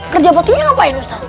kerja baktinya ngapain ustad